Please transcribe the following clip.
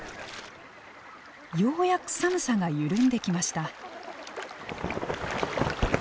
ようやく寒さが緩んできました。